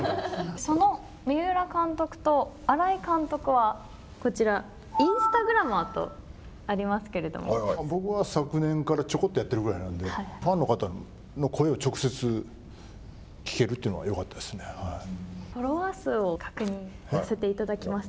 その三浦監督と新井監督はこちら、インスタグラマーとあり僕は昨年からちょこっとやってるぐらいなんでファンの方の声を直接聞けるといフォロワー数を確認させていただきました。